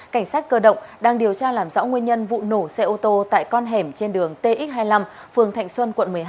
cảnh sát cơ động đang điều tra làm rõ nguyên nhân vụ nổ xe ô tô tại con hẻm trên đường tx hai mươi năm phường thạnh xuân quận một mươi hai